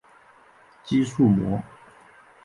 肌束膜。